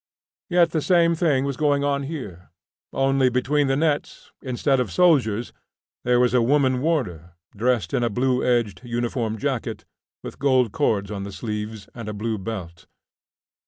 Yet the same thing was going on here, only, between the nets instead of soldiers there was a woman warder, dressed in a blue edged uniform jacket, with gold cords on the sleeves, and a blue belt.